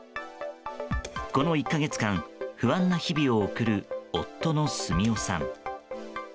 この１か月間、不安な日々を送る夫の澄夫さん。